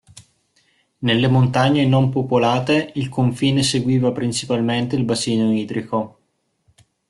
Nelle montagne non popolate, il confine seguiva principalmente il bacino idrico.